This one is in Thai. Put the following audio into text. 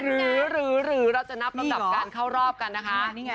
หรือเราจะนับลำดับการเข้ารอบกันนะคะ